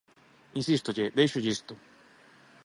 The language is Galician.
Insístolle, déixolle isto.